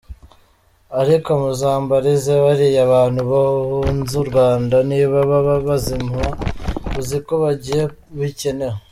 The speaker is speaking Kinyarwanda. ariko muzambarize bariya bantu bahunz’uRwanda niba baba bazima?uziko bagiye bikenewe?